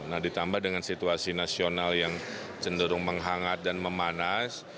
nah ditambah dengan situasi nasional yang cenderung menghangat dan memanas